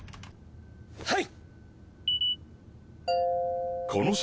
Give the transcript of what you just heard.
はい！